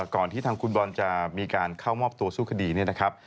ที่ทางคุณบอลจะมีการเข้ามอบตัวสู้คดีเนี่ยนะครับ